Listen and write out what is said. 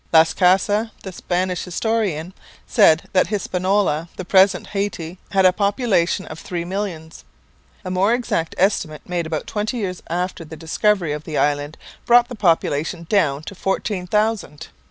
Las Casas, the Spanish historian, said that Hispaniola, the present Hayti, had a population of three millions; a more exact estimate, made about twenty years after the discovery of the island, brought the population down to fourteen thousand!